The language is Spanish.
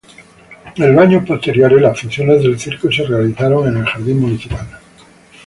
En los años posteriores las funciones del circo se realizaron en el jardín municipal.